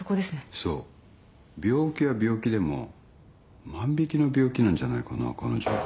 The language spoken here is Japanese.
そう病気は病気でも万引の病気なんじゃないかな彼女は。